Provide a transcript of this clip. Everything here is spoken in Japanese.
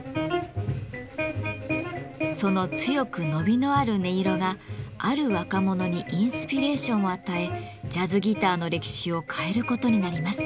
その強く伸びのある音色がある若者にインスピレーションを与えジャズギターの歴史を変えることになります。